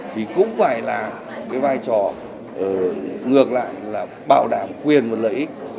thì cũng phải là cái vai trò ngược lại là bảo đảm quyền và lợi ích